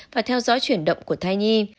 và theo dõi chuyển động của thai nhi